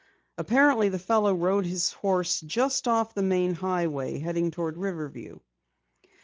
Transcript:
Apparently, the fellow rode his horse just off the main highway, heading toward Riverview."